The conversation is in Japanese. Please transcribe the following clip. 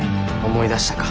思い出したか。